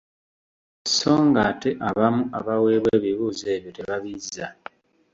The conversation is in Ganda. So ng’ate abamu abaweebwa ebibuuzo ebyo tebabizza.